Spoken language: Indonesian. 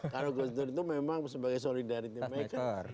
karena gus dur itu memang sebagai solidaritas mereka